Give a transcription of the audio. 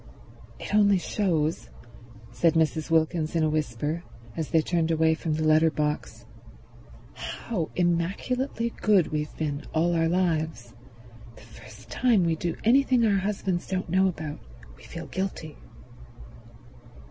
"It only shows," said Mrs. Wilkins in a whisper, as they turned away from the letter box, "how immaculately good we've been all our lives. The very first time we do anything our husbands don't know about we feel guilty."